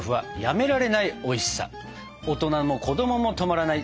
大人も子供も止まらない。